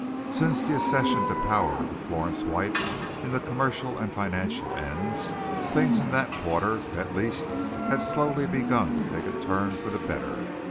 Since the accession to power of Florence White in the commercial and financial ends, things in that quarter at least had slowly begun to take a turn for the better.